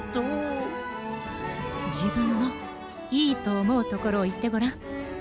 じぶんのいいとおもうところをいってごらん。